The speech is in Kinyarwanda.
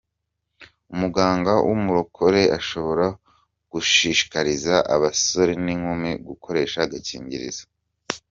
Umuganga w’ umurokore ashobora gushishikariza abasore n’ inkumi gukoresha agakingirizo?”.